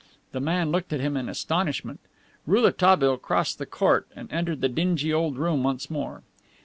The man looked at him in astonishment. Rouletabille crossed the court and entered the dingy old room once more.